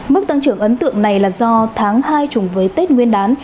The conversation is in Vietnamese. mức tăng trưởng ấn tượng này là do tháng hai trùng với tết nguyên đán